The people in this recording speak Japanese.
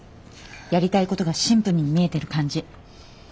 やりたいことがシンプルに見えてる感じ。